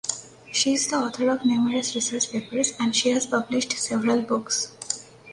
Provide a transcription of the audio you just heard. She is the author of numerous research papers and she has published several books.